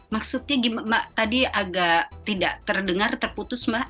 maksudnya mbak tadi agak tidak terdengar terputus mbak